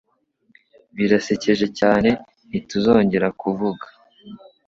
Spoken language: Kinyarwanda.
Birasekeje cyane ntituzongera kuvuga